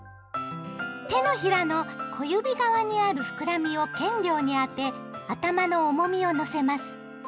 手のひらの小指側にある膨らみをけんりょうにあて頭の重みをのせます。